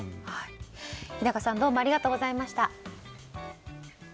日高さんどうもありがとうございました。